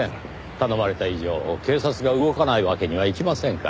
頼まれた以上警察が動かないわけにはいきませんから。